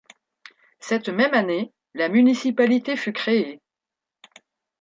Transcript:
Cette même année la municipalité fut créée.